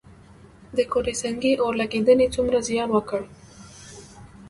د کوټه سنګي اورلګیدنې څومره زیان وکړ؟